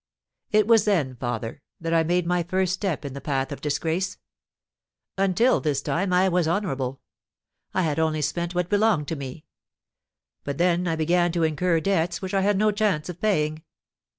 It was then, father, that I made my first step in the path of disgrace; until this time I was honourable, I had only spent what belonged to me, but then I began to incur debts which I had no chance of paying.